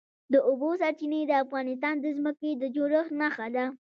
د اوبو سرچینې د افغانستان د ځمکې د جوړښت نښه ده.